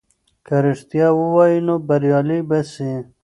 که رښتیا ووایې نو بریالی به سې.